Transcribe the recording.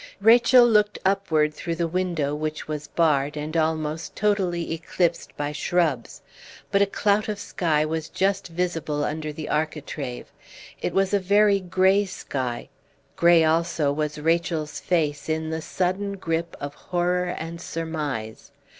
Rachel looked upward through the window, which was barred, and almost totally eclipsed by shrubs; but a clout of sky was just visible under the architrave. It was a very gray sky; gray also was Rachel's face in the sudden grip of horror and surmise.